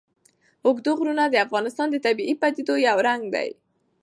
اوږده غرونه د افغانستان د طبیعي پدیدو یو رنګ دی.